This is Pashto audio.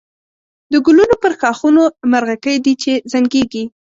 د گلونو پر ښاخونو مرغکۍ دی چی زنگېږی